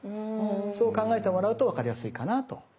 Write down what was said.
そう考えてもらうとわかりやすいかなぁと。